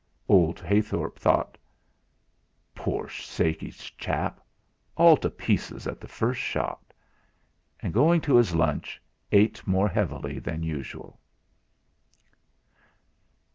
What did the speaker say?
Old Heythorp thought: 'Poor shaky chap. All to pieces at the first shot!' And, going to his lunch, ate more heavily than usual.